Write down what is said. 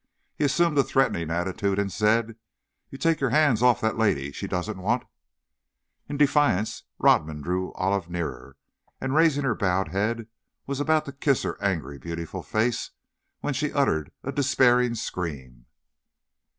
He assumed a threatening attitude, and said, "You take your hands off that lady! She doesn't want " In defiance, Rodman drew Olive nearer, and raising her bowed head was about to kiss her angry, beautiful face, when she uttered a despairing scream.